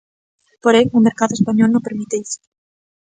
Porén, o mercado español non permite isto.